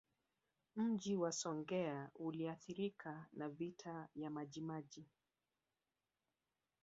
Mji wa Songea uliathirika na Vita ya Majimaji